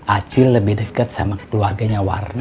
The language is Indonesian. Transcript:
acil lebih deket sama keluarganya warno